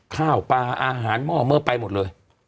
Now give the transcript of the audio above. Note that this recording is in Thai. ข้าวปลาอาหารหม้อเมอร์ไปหมดเลย